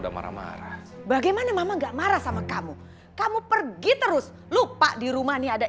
udah marah marah bagaimana mama gak marah sama kamu kamu pergi terus lupa di rumah nih ada